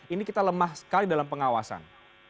ini kita lemah sekali dalam pengawasan